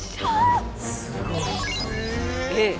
すごい！